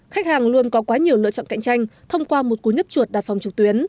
khách hàng luôn có quá nhiều lựa chọn cạnh tranh thông qua một cú nhấp chuột đạt phòng trực tuyến